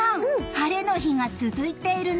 晴れの日が続いているね！